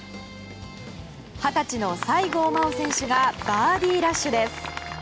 二十歳の西郷真央選手がバーディーラッシュです。